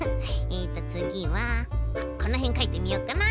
えっとつぎはこのへんかいてみようかな。